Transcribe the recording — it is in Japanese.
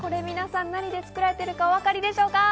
何で作られているか、お分かりでしょうか？